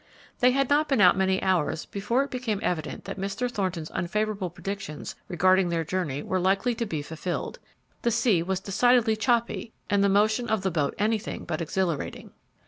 They had not been out many hours before it became evident that Mr. Thornton's unfavorable predictions regarding their journey were likely to be fulfilled. The sea was decidedly "choppy" and the motion of the boat anything but exhilarating.